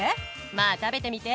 まあ食べてみて！